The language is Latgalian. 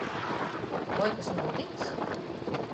Voi kas nūtics?